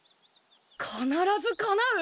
必ずかなう！？